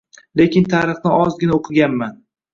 Lekin tarixni ozgina o‘qiganman.